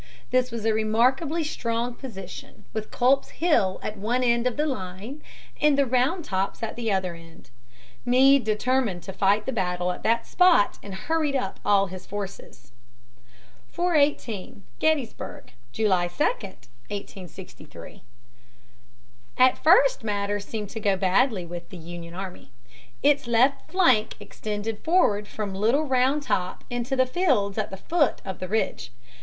This was a remarkably strong position, with Culp's Hill at one end of the line and the Round Tops at the other end. Meade determined to fight the battle at that spot and hurried up all his forces. [Illustration: MAP: Battle of Gettysburg.] [Sidenote: The second day.] 418. Gettysburg, July 2, 1863. At first matters seemed to go badly with the Union army. Its left flank extended forward from Little Round Top into the fields at the foot of the ridge.